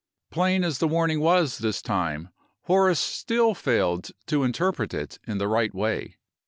Plain as the warning was this time, Horace still failed to interpret it in the right way.